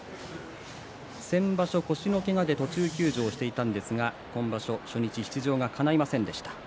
先場所、腰のけがで途中休場していましたが今場所、初日、出場がかないませんでした。